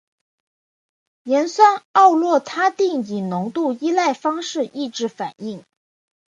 盐酸奥洛他定以浓度依赖方式抑制反应。